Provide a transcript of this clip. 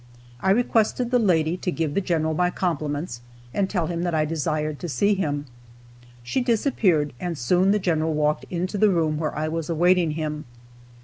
I requested the lady to give the general my compliments, and tell him that I desired to see him. She disappeared, and soon the general walked into the room where I was awaiting him.